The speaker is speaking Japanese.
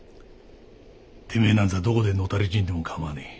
てめえなんざどこで野たれ死んでもかまわねえ。